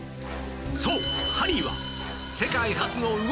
そうハリーは